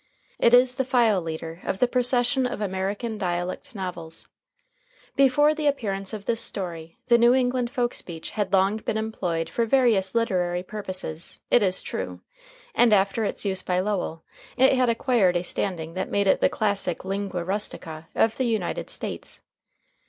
It is the file leader of the procession of American dialect novels. Before the appearance of this story, the New England folk speech had long been employed for various literary purposes, it is true; and after its use by Lowell, it had acquired a standing that made it the classic lingua rustica of the United States.